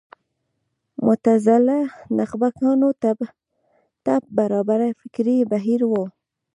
معتزله نخبه ګانو طبع برابر فکري بهیر و